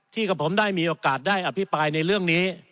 กับผมได้มีโอกาสได้อภิปรายในเรื่องนี้